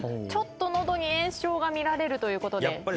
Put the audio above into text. ちょっと喉に炎症が見られるということで。